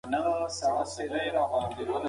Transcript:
موږ باید نړیوال بدلونونه وڅارو.